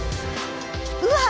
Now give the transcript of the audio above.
うわ！